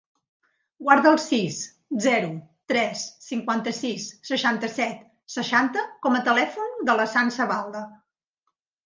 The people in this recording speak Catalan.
Guarda el sis, zero, tres, cinquanta-sis, seixanta-set, seixanta com a telèfon de la Sança Balda.